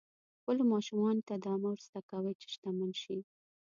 خپلو ماشومانو ته دا مه ور زده کوئ چې شتمن شي.